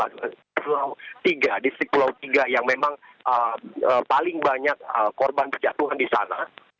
di pulau tiga distrik pulau tiga yang memang paling banyak korban berjatuhan di sana